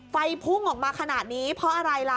ไฟพุ่งออกมาขนาดนี้เพราะอะไรล่ะ